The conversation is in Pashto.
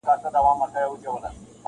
خو اوږده لکۍ يې غوڅه سوه لنډی سو-